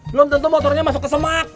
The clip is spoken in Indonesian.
belum tentu motornya masuk ke semak